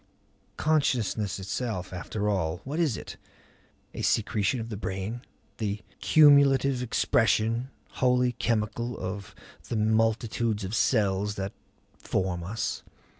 Consciousness itself after all what is it? A secretion of the brain? The cumulative expression, wholly chemical, of the multitudes of cells that form us?